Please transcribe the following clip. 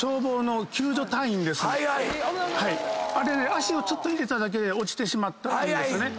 足をちょっと入れただけで落ちてしまったっていうんですね。